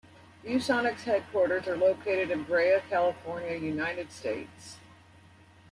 ViewSonic's headquarters are located in Brea, California, United States.